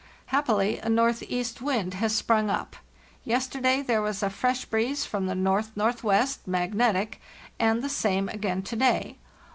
Happily, a northeast wind has sprung up. Yesterday there was a fresh breeze from the north northwest (mag netic), and the same again to day.